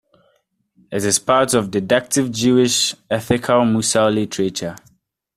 It is part of didactic Jewish ethical Musar literature.